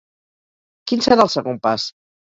Quin serà el segon pas?